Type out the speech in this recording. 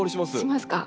しますか？